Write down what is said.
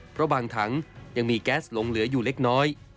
เพราะบางถังยังมีแก๊สหลงเหลืออยู่เล็กน้อย